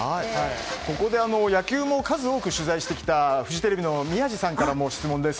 ここで野球も数多く取材してきたフジテレビの宮司さんからも質問です。